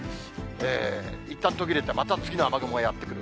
いったん途切れて、また次の雨雲がやって来る。